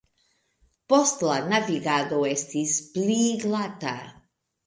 Poste la navigado estis pli glata.